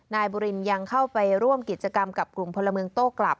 นายบุรินยังเข้าไปร่วมกิจกรรมกับกลุ่มพลเมืองโต้กลับ